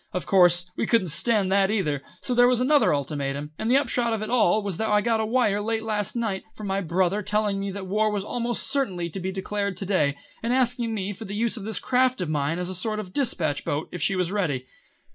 Of course we couldn't stand that either, so there was another ultimatum, and the upshot of it all was that I got a wire late last night from my brother telling me that war would almost certainly be declared to day, and asking me for the use of this craft of mine as a sort of dispatch boat if she was ready.